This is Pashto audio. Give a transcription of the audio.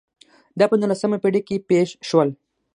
دا په نولسمه پېړۍ کې پېښ شول.